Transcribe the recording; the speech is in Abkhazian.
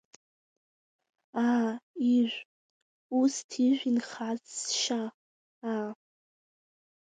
Аа, ижә, усҭ ижә инхаз сшьа, аа…